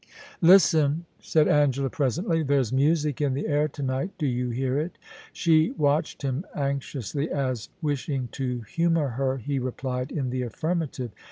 ANGELA, 119 * Listen !' said Angela, presently ;* there*s music in the air to night Do you hear it Y She watched him anxiously, as, wishing to humour her, he replied in the affirmative.